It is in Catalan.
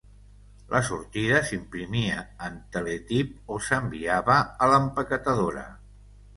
La sortida s'imprimia en teletip o s'enviava a l'empaquetadora.